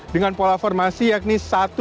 dengan pola formasi yakni satu tiga lima dua